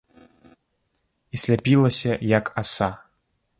І сляпілася, як аса.